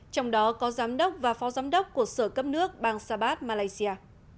trong đó có giám đốc và phó giám đốc của sở cấp nước bang sabat malaysia